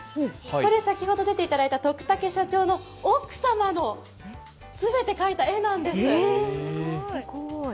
先ほど出ていただいた徳竹社長の奥様の全て描いた絵なんです。